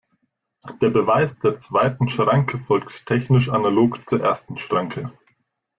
Der Beweis der zweiten Schranke folgt technisch analog zur ersten Schranke.